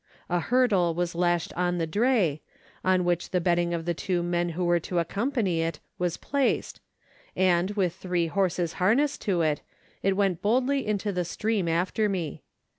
A hurdle was lashed on the dray, on which the bedding of the two men who were to accompany it was placed, and, with three horses harnessed to it, it went boldly into the stream after me.